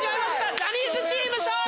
ジャニーズチーム勝利！